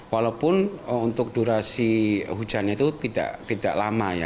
walaupun untuk durasi hujannya itu tidak lama